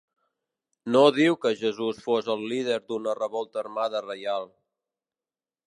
No diu que Jesús fos el líder d'una revolta armada reial.